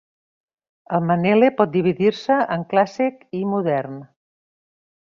El manele pot dividir-se en clàssic i modern.